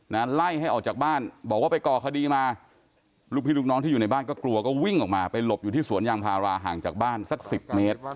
ไล่ให้ออกจากบ้านบอกว่าไปก่อคดีมาลูกพี่ลูกน้องที่อยู่ในบ้านก็กลัวก็วิ่งออกมาไปหลบอยู่ที่สวนยางพาราห่างจากบ้านสักสิบเมตร